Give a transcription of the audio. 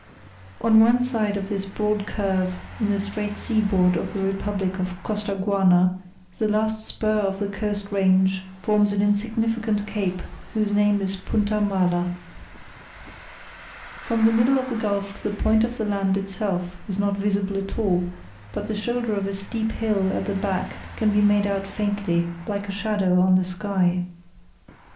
On one side of this broad curve in the straight seaboard of the Republic of Costaguana, the last spur of the coast range forms an insignificant cape whose name is Punta Mala. From the middle of the gulf the point of the land itself is not visible at all; but the shoulder of a steep hill at the back can be made out faintly like a shadow on the sky.